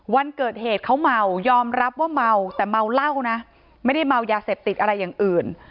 วันเกิดเหตุเขาเมายอมรับว่าเมาแต่เมาเหล้านะไม่ได้เมายาเสพติดอะไรอย่างอื่น